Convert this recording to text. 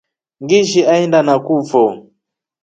Ngiishi aenda nakufo.